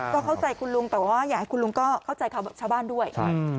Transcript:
ก็เข้าใจคุณลุงแต่ว่าอยากให้คุณลุงก็เข้าใจชาวบ้านด้วย